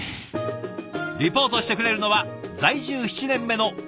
リポートしてくれるのは在住７年目の鈴木千穂さん。